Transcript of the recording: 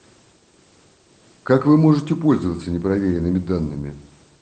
Как Вы можете пользоваться непроверенными данными?